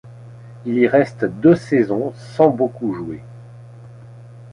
Il y reste deux saisons sans beaucoup jouer.